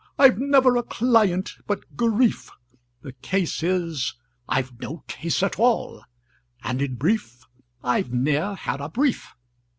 I've never a client but grief: The case is, I've no case at all, And in brief, I've ne'er had a brief!